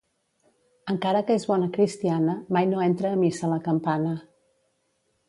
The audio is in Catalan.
Encara que és bona cristiana, mai no entra a missa la campana.